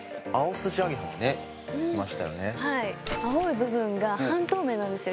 青い部分が半透明なんですよ